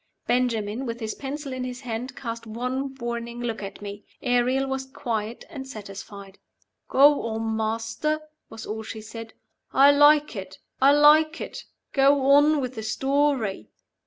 Benjamin, with his pencil in his hand, cast one warning look at me. Ariel was quiet and satisfied. "Go on, Master," was all she said. "I like it! I like it! Go on with the story."